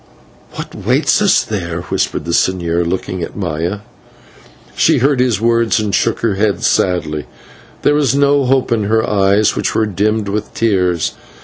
"What waits us there?" whispered the señor, and he looked at Maya. She heard his words and shook her head sadly. There was no hope in her eyes, which were dimmed with tears.